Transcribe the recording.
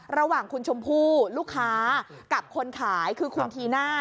ระหว่างคุณชมพู่ลูกค้ากับคนขายคือคุณธีน่า